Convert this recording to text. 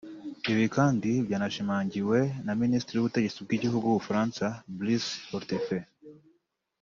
Ibi kandi byanashimangiwe na minisitiri w’ubutegetsi bw’igihugu w’u Bufaransa Brice Hortefeux